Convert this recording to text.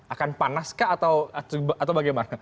akan panas kah atau bagaimana